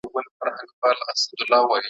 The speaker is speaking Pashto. وئيل يې خو د ستورو دا ځنګل پري نه خبريږي `